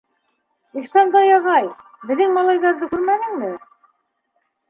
Ихсанбай ағай, беҙҙең малайҙарҙы күрмәнеңме?